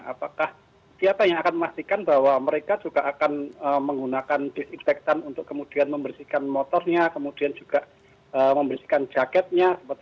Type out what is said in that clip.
apakah siapa yang akan memastikan bahwa mereka juga akan menggunakan disinfektan untuk kemudian membersihkan motornya kemudian juga membersihkan jaketnya